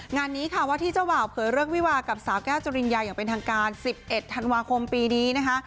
งานนี้ค่ะว่าที่เจ้าบ่าวเผยเลิกวิวากับสาวแก้วจริญญาอย่างเป็นทางการ๑๑ธันวาคมปีนี้นะคะ